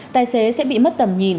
tài xế sẽ bị mất tầm nhìn